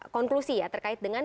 konklusi ya terkait dengan